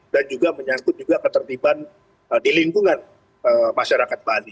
dan juga menyatukan ketertiban di lingkungan masyarakat bali